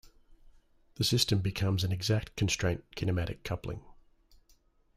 The system becomes an exact constraint kinematic coupling.